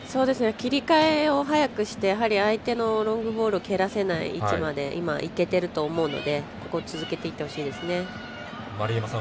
切り替えを早くして相手のロングボールを蹴らせない位置まで今、いけてると思うので続けていってほしいですね。